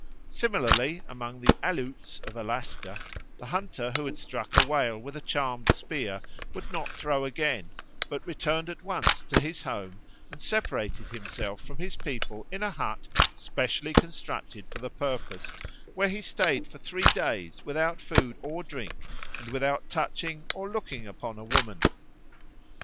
Similarly among the Aleuts of Alaska the hunter who had struck a whale with a charmed spear would not throw again, but returned at once to his home and separated himself from his people in a hut specially constructed for the purpose, where he stayed for three days without food or drink, and without touching or looking upon a woman.